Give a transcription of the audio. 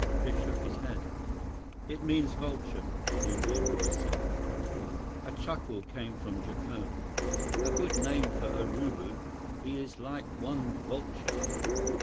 Biff shook his head. "It means vulture," the Indian boy said. A chuckle came from Jacome. "A good name for Urubu. He is like one vulture!"